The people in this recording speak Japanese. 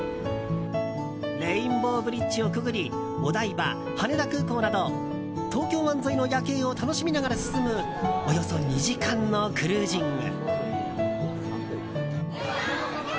レインボーブリッジをくぐりお台場、羽田空港など東京湾沿いの夜景を楽しみながら進むおよそ２時間のクルージング。